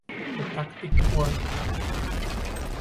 The tactic worked.